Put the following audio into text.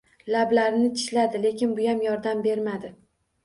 Lablarini tishladi, lekin buyam yordam bermadi